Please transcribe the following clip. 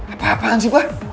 apa apaan sih pak